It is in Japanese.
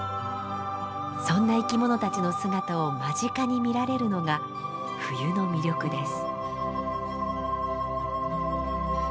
そんな生き物たちの姿を間近に見られるのが冬の魅力です。